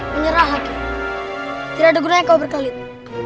menyerah hakim tidak ada gunanya kau berkali itu